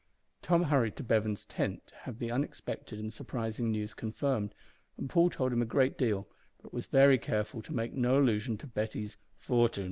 Tom hurried to Bevan's tent to have the unexpected and surprising news confirmed, and Paul told him a good deal, but was very careful to make no allusion to Betty's "fortin."